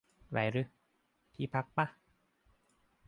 ไรรึ ที่พักป่ะ ?